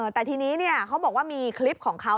แต่ทีนี้เขาบอกว่ามีคลิปของเขา